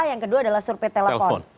yang kedua adalah survei telepon